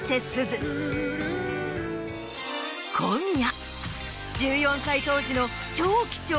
今夜。